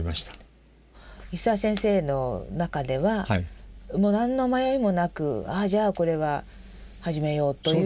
石澤先生の中では何の迷いもなくじゃあこれは始めようということ？